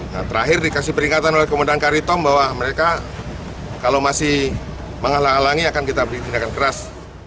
nah terakhir dikasih peringatan oleh komandan karitom bahwa mereka kalau masih menghalang halangi akan kita beri tindakan keras